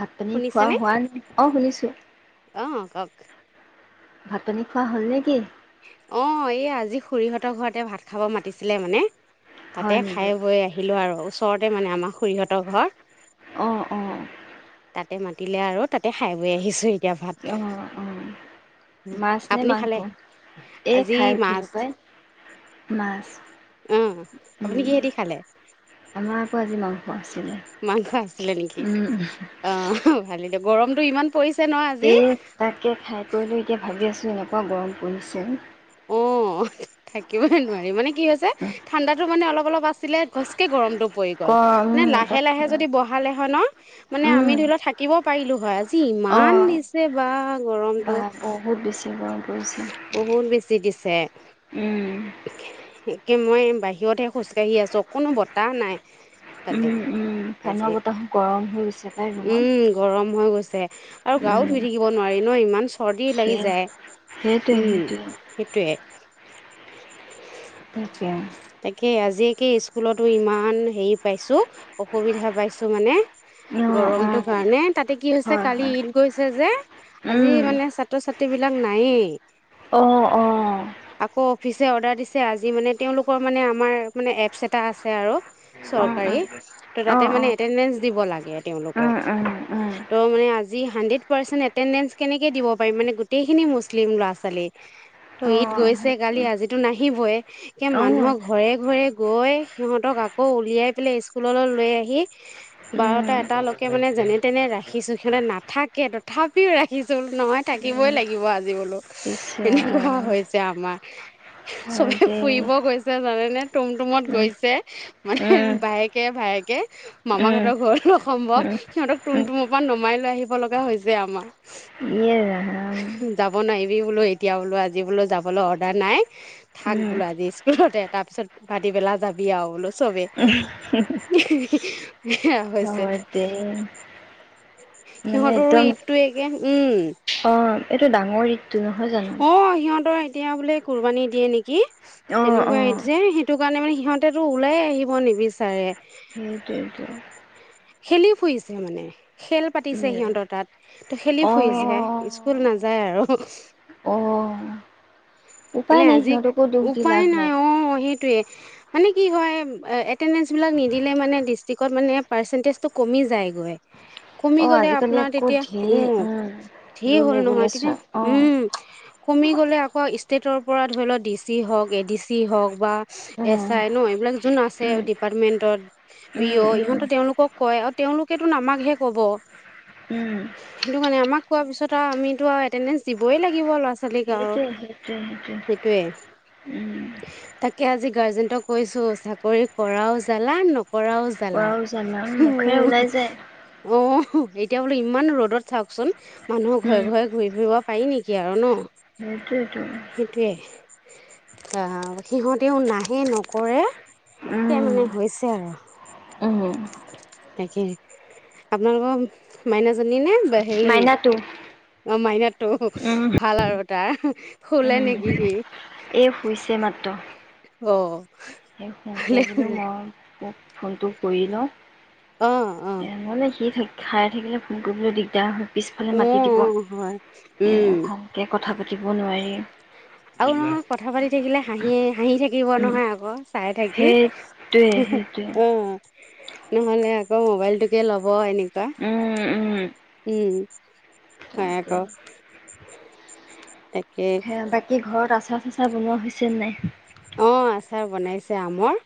ভাত-পানী খোৱা শুনিছেনে? হোৱা, আও শুনিছোঁ। অ' কওক। ভাত-পানী খোৱা হ'ল নে কি? অ', এইয়া আজি খুৰীহঁতৰ ঘৰতে ভাত খাব মাতিছিলে মানে। হয় তাতেই নেকি খাই-বৈ আহিলোঁ আৰু। ওচৰতে মানে আমাৰ খুইহঁতৰ ঘৰ। অঁ অঁ। তাতে মাতিলে আৰু তাতে খাই বৈ আহিছোঁ এতিয়া ভাত। অ' অ', মাছ নে আপুনি মাংস? খালে? এই আজি খাই উঠিলো মাছ। পাই মাছ উম। আপুনি কিহে দি খালে। পুৱা আজি মা। মাংস আছিলে নেকি অ ভালি। গৰমটো ইমান! পৰিছে ন' আজি। এ তাকে খাই কৰিলেো এতিয়া ভাবি আছো। এনেকুৱা গৰম পৰিছে। অ থাকিবইে নোৱাৰি মানে। কি হৈছে, ঠাণ্ডাটো মানে অলপ অলপ আছিলে গছকে গৰম [inaudible] পৰি গল গৰম মানে লাহে তাত লাহে যদি বহালে হয় ন মানে আমি উম ধৰি লও থাকিব পাৰিলো হয় আজি অ ইমান দিছে বা বা গৰমটো। বহুত বেছি গৰম পৰিছে বহন বেছি দিছে। উম [unintelligible] মই বাহিৰতহে খোজকাঢ়ি আছো অকোনো বতাহ নাই। তাতে উম উম ফেনৰ আজি বতাহো গৰম হৈ গৈছে পাই ৰুমত উম গৰম হৈ গৈছে আৰু গাও উম ধুই থাকিব নোৱা ন ইমান। চৰ্দিও লাগি সেয়া যায়, সেইটোৱে উম, সেইটোৱে। সেইটোৱে। তাকে। [inaudible] তাকে আজিকে স্কুলতো ইমান হেৰি পাইছো অসুবিধা পাইছো মানে। অ', গৰমটো অ', কাৰণে তাতে কি হৈছে হয়, কালি হয়, ঈদ গৈছে যে আজি উম, মানে ছাত্ৰ ছাত্ৰী। সেইবোৰ নাই। অ' অ'। আকৌ অফিচ অৰ্ডাৰ দিছে আজি মানে তেওঁলোক। আমাৰ মে এপচ এটা আছে আৰু অ', চৰকাৰী ত অ', তাতে অ', মানে অ', এটেনডেঞ্চ দিব লাগে তেওঁলোকক উম, উম, উম, ত মানে আজি হাড্ৰেড পাৰ্চন এটেডে কেনেকে দিব পাৰিম মানে গোটেইখিনি মুছলিম ল'ৰা ছোৱালী ত ঈদ অ', গৈছে কালি সেইটোৱে। আজো নাহিবই। অ', উম, মানুহক ঘৰে ঘৰে গৈ সিহঁতক আকৌ উলিয়াই পেলে স্কুললৈ লৈ আহি, উম, বাৰটা এটালৈকে বুলে মানে যেনে তেনে ৰাখিছো। সিহঁতে নাথাকে, তথাপিও ৰাখিছো। নহয় থাকিবই লাগিব আজি বোলো। পিছে এনেকুৱা হৈছে আমাৰ। হয় চবে দেই, ফুৰিব জানেনে, তুম তুমত উম, গৈছে। মানে উম, বায়েকে ভায়েক কে। মামাহতৰ উম, ঘৰ অসম্ভৱ। উম, সিহঁতক তুম উম, তুমৰ পৰা নমাই লৈ আহিব লগা হৈছে আমাৰ। ইয়ে ৰাম, যাব নোৱাৰিবি বোলো, এতিয়া বোলো, আজি বোলো যাবলৈ অৰ্ডাৰ নাই। থাক উম। বোলো আজি। সুলতে তাৰপিছত পতিবেলা যাবি আৰু বোলো চবেই সেয়া হৈছে হয়তে [unintelligible] সিহঁতৰো ঈদতটো একেই উম।। অ', এইটো ডাঙৰেই। অ', সিহঁতৰ এতিয়া বোলে কুৰবানী দিয়ে নেকি? অ', অ', তেনেকুৱা ঈদ যে, সেই সেইটো কাৰণে মানে সিহঁতেটো ওলাই আহিব নিবিচাৰে। সেইটোৱেইটো। খেলি ফুৰিছে মানে। খেল পাতিছে ইয়ে ৰাম। সিহঁতৰ তাত। ত' খেলি অ', ফুৰিছে। স্কুল নাজ যায় আৰু অ', উপায় মানে নাই আজি। সিহঁতকো দুখ দি উপায় লাভ নাই। অ', সেইটোৱে। মানে কি হয় এটেনডেঞ্চবলাক নিদিলে মানে ডিষ্ট্ৰিকত মানে পাৰ্চন্টেজটো কমি যায়গৈ কমি অ', গ'লে আজিকালি আপোনাৰ আকৌ তেতিয়া ঢেৰ উম ধিৰ ৰুল হ'ল নহয় তেতিয়া ৰেগুলেশ্যন অ', উম কমি গ'লে ইষ্টেটৰ পৰা ধৰি লওক ডি চি হওক, এ ডি চি হওক বা এছ উম, আই নো, এইবিলাক জোন আছে উম, ডিপাৰ্টমেণ্টত, বি উম, অ' উম, ইহঁতো তেওঁলোকক কয়। তেওঁলোকেতো আমাকহে ক'ব। উম, সেইটো কাৰণে আমাক কোৱাৰ পিছত আৰু আমিতো আৰু এটেণ্ডেঞ্চ দিবই লাগিব লাষ্ট চালিকা আৰু স সেইটোৱ সেইটোৱ উম তাকে আজি গাৰ্জেনটক কৈছো চাকৰি কৰাও জালা নকৰা কৰাও জালা। পৰাও জানা উ, মুখেৰে ওলাই যায় অ'। এতিয়া বোলো ইমান ৰ'দত চাওকচোন মানুহৰ ঘৰে উম, ঘৰে ঘূৰি ফূৰিব। পাৰি নেকি আৰু ন সেইটোৱেটো। সেইটোৱে আহ সিহঁতেও নাহে নকৰে সেয়া উম। মানে হৈছে উম, আৰু তাকে আপোনালোকৰ মাইনাাজী নে সেই। মাইনাটো মোৰ মাইনাটো, উম, ভাল আৰু। আহা শুলে নেকি সি এ শুইছে মাত্ৰ অ সি শুতে বোলো মই উক ফোনটো কৰি লওঁ অ অ এ মানে সি থাক খাই থাকিলে ফোন কৰিবলৈ দিগদাৰ হয় পিছফালে উ মাতি দিব হয় এ উম ভালকে কথা পাতিব নোৱাৰি আৰু নহয় কথা পাতি থাকিলে হাঁহিয়ে হাঁহি থাকিব উম নহয় আকৌ চাই থাকি সেইটোৱে সেইটোৱে উ নহলে আক মোবাইলটোকে ল'ব এনেক উম উম হয় আক তাকে হে বাকী ঘৰত আছা চাত বনোৱা হৈছে নে নাই অ আচাৰ বনাইছে আমৰ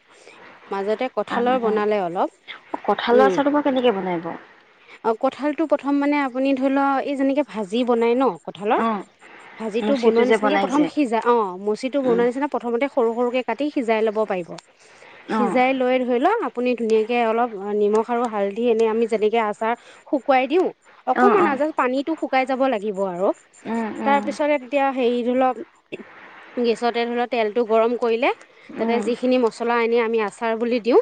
মাজতে কঁঠালৰ বনালে অলপ [unintelligible] কঠালৰ উম আচা তো বাও কেনেকে বনাই [inaudible] অ কঁঠালটো পথম মানে আপুনি ধৰি ল এই যেনেকে ভাজি বনাই ন কঁঠালৰ অ ভাজি টো মুচিটো বনোৱা যে নিচিনাকে বনাই প্ৰথম যে সিজা অ মচিটো উম বনোৱা নিচিনা প্ৰথমতে ৰু সৰুকে কাটি সিজাই ল'ব পাৰিব অ সিজাই লৈ ধৈল আপুনি ধুনিয়াকে অলপ নিমখ আৰু হালধি এনে আমি যেনেকৈ আচ চাৰ শুকুৱাই দিওঁ অ অকমান অ আ জাষ্ট পানীতটো শুকাই যাব লাগিব আৰু উম তাৰ উম পিছতে তেতিয়া হেই ধৰিলক গেছতে ধৰি ল তেলটো গৰম কৰিলে তাতে উম যিখিনি মছলা আনি আমি আচাৰ বুলি দিওঁ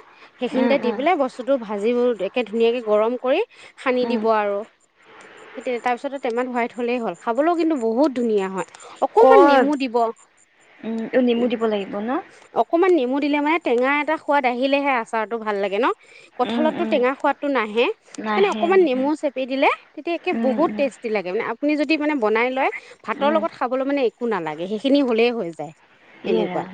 উম সেইখিনিতে দি উম পেলাই বস্তুটো ভাজি একে ধুনীয়াকে গৰম কৰি সানি উম দিব আৰু তেই তাৰ পিছতে টেমাত হোৱাইট হলেই হ'ল খাবলৈও কিন্তু বহুত ধুনীয়া হয় অকমান নেমু দিব উ নিমু দিব লাগিব ন অকমান নেমু দিলে মানে টেঙা এটা সোৱাদ আহিলেহে আচাৰতটো ভাল লাগে ন উম কঁঠালতটো উম টেঙা সোৱাদটো নাহে মানে নাহে অকণমান নাহে নেমু চেপি দিলে তেতিয়া একে উম বহুত উম টেষ্টি লাগে মানে আপ আপুনি যদি মানে বনাই লয় ভাতৰ উম, লগত খাবলৈ মানে একো নালাগে সেইখিনি হ'লেই হৈ যায় ইৰা এনেকুৱা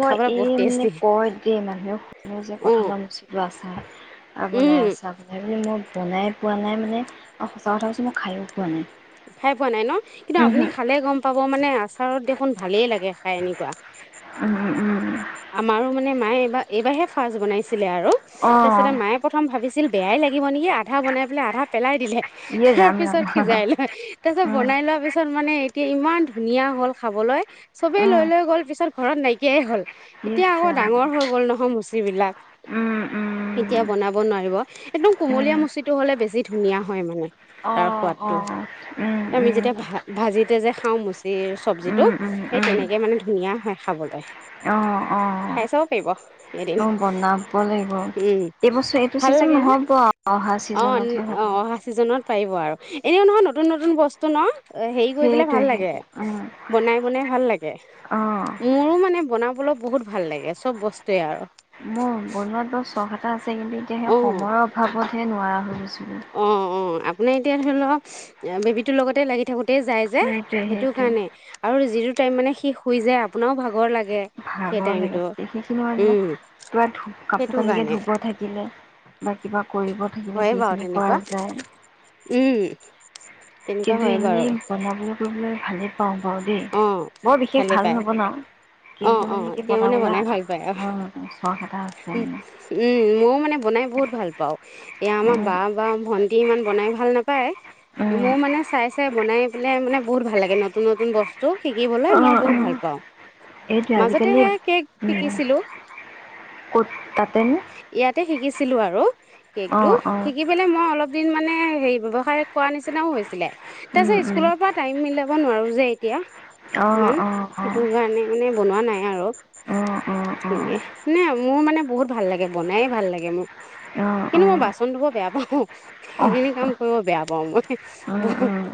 মই খাবলৈ এই বহুত মানে টেষ্টি কয় দে মানুহে শুন যে অঁ কঠাল মুচিটো আচা বনাই আছা বনাই বুলি মই বনাই পোৱা নাই মানে আৰু সঁচা কথা কয়চু মই খায়ো পোৱা নাই খাই পোৱা নাই ন কিন্তু আপুনি উমহু, খালে গম পাব মানে আছ [unintelligible] দেখোন ভালেই লাগে খাই এনকুৱা উহ উ আমাৰো মানে মায়ে এইবাৰ এইবাৰহে ফাৰ্জ বনাইছে। [unintelligible] আৰু তাৰপিছতে অ', মায়ে প্ৰথম ভাবিছিল বেয়াই লাগিব নেকি আধা বনাই পেলাই আধা পেলাই দিলে। ইয়ে তাৰ ৰাম ৰাম। পিছত সিজাই লয়, তাৰ পিছত উম, বনাই লোৱা পিছত মানে ইমান ধুনীয়া হ'ল খাবলৈ, চবেই উম, লৈ লৈ গ'ল পিছত ঘৰত নাইকিয়াই হ'ল। এতিয়া ইচ আকৌ ৰাম। ডাঙৰ হৈ গ'ল নহয় মুচি। যিবিলাক উম, এতিয়া উম। বনাব নোৱাৰিব, একদম কুমলীয়া উম মুচিটো হলে বেছি ধুনীয়া হয় মানে, তাৰ অ', সোৱাদটো, অ', উম, আমি উম। যেতিয়া ভা ভাজিতে যে খাওঁ মুচি চব্জিটো উম, উম, সেই উম। তেনেকে মানে ধুনীয়া হয় খাবলৈ। অ', অ', খাই চাব পাৰিব। এদিন অ বনাব লাগিব। উম এইবছৰ এইটো ভাল লাগে চিজনত ন নহ'ব অহা অ চিজনতহে অ হব। অহা চিজনত পাৰিব আৰু এনেও নহয় নতুন নতুন বস্তু ন? অ হেৰি কৰি পেলাই সেইটোৱে ভাল লাগে, সেইটোৱে উম বনাই বনাই ভাল লাগে। অ' মোৰো মানে [inaudible] বোলো বহুত ভাল লাগে চব বস্তুয়ে আৰু বনোৱাটো ছখ এটা। কিন্তু এতিয়া সেই অ সময়ৰ অভাৱতহে নোৱাৰা [inaudible] অ', অ', আপোনি এতিয়া ধৰি লওক বেবীটোৰ লগতে লাগি থাকো যাই যে, সেইটোৱে সেইটো সেইটোৱে কাৰণে আৰু যিটো টাইম মানে সি শুই যায় আপোনাৰও ভাগৰ লাগে। সেই ভাগৰ টাইমটো লাগে, সেইখিনি মানে উম ত কাপোৰ সেইটো কানিকে কাৰণে ধুব থাকিলে বা কিবা কৰিব থাকিলে হয়ে বাৰু সেইখিনি কৰা তেনেকুৱা যায়। উম তেনেকুৱা কিন্তু হয় এনে বাৰু বনাবলৈ কলে [inaudible] অ', ভালেই পায়। নবনাওঁ কিন্তু অ', মানে অ', কি তেওঁ মানে বনাবলৈ বনাই ভাল পায়, অ' চখ এটা আছে উম মানে মইও মানে বনাই বহুত ভাল পাওঁ। এয়া আমাৰ উম বা বা ভণ ই ইমান বনাই ভাল নাপায়। উম মোৰ মানে চাই চাই বনাই পেলাই মানে বহুত ভাল লাগে। নতুন নতুন বস্তু বস্তু শিকিবলৈ মই বহুত ভাল পাওঁ। এইটো মাজতে আজিকালি উঁ, সেয়া কেক শিকিছিলো ক'ত তাতে নে? [inaudible] আৰু কেকটো শিকি পেলেই মই অলপ মানে হেৰি ব্যৱসায় কৰা নিচিনাও হৈছিলে। উম তাৰপিছত উম স্কুলৰ পৰা টাইম মিলাব নোৱাৰো যে। এতিয়া অঁ ইমান অঁ অঁ সেইটো কাৰণে মানে বনোৱা নাই আৰু, অঁ অঁ অঁ তেনেকে মানে মোৰ মানে বহুত ভাল লাগে বনাই ভাল লাগে মোৰ। অঁ কিন্তু মই বাচন ধুব বেয়া পাওঁ অঁ অঁ সেইখিনি কাম কৰিব বেয়া পাও মই উম বহুত উম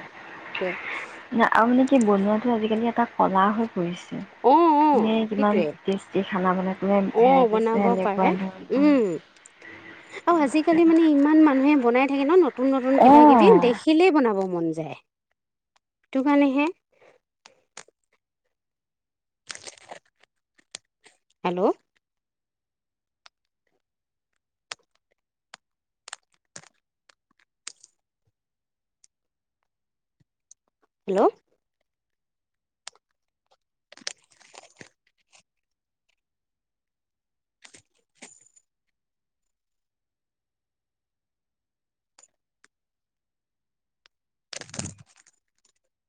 আৰু মানে কি বনোৱাটো আজিকালি এটা কলা কৰিছে। অঁ অঁ এনেই কিমান সেইটোৱে টেষ্টি খানা বনাই তোনে অঁ ভেৰাইটিছে বনাব সেনেকুৱা ধৰণৰ অ আজিকালি মানে ইমান মানুহে বনাই থাকে ন ন নতুন নতুন কিবা কিবি অঁ দেখিলেই বনাব মন যায় সেইটো কাৰণেহে হেল্ল' হেল্ল'